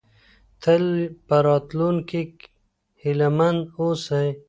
تل په راتلونکي هیله مند اوسئ.